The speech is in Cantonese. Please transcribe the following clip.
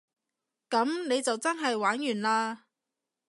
噉你就真係玩完嘞